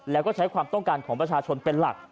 แล้วก็ใช้ความต้องการของประชาชนเป็นหลัก